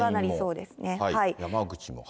山口も。